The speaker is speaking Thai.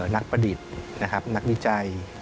นักประดิษฐ์นักวิจัย